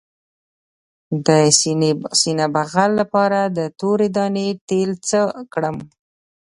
د سینې بغل لپاره د تورې دانې تېل څه کړم؟